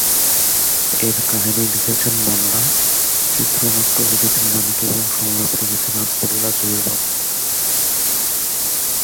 এর কাহিনী লিখেছেন মান্না, চিত্রনাট্য লিখেছেন মানিক এবং সংলাপ লিখেছেন আবদুল্লাহ জহির বাবু।